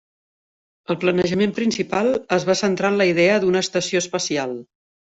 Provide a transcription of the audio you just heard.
El planejament principal es va centrar en la idea d'una estació espacial.